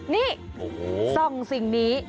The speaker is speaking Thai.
นี่ส่องสิ่งนี้